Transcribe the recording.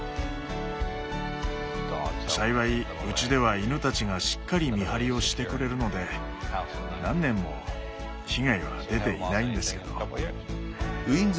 幸いうちでは犬たちがしっかり見張りをしてくれるので何年も被害は出ていないんですけど。